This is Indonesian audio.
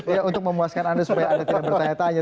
ya untuk memuaskan anda supaya anda tidak bertanya tanya